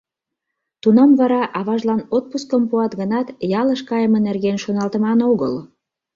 Тунам вара, аважлан отпускым пуат гынат, ялыш кайыме нерген шоналтыман огыл.